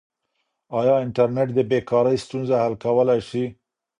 آیا انټرنیټ د بې کارۍ ستونزه حل کولای سي؟